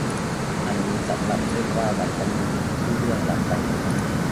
อันนี้สำหรับเซ่นไหว้บรรพบุรุษที่ล่วงลับไปแล้ว